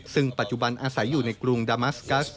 ซึ่งปัจจุบันอาศัยอยู่ในกรุงดามัสกัส